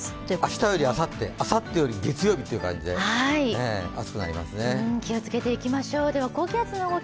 明日よりあさってあさってより月曜日という感じで気をつけていきましょう。